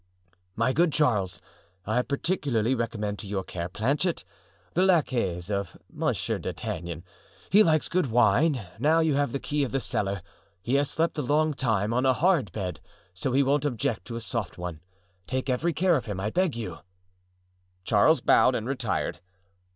"My good Charles, I particularly recommend to your care Planchet, the laquais of Monsieur D'Artagnan. He likes good wine; now you have the key of the cellar. He has slept a long time on a hard bed, so he won't object to a soft one; take every care of him, I beg of you." Charles bowed and retired.